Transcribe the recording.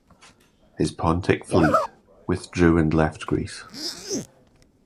His Pontic fleet withdrew and left Greece.